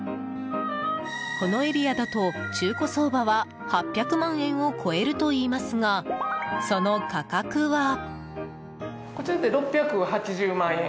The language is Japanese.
このエリアだと中古相場は８００万円を超えるといいますがその価格は。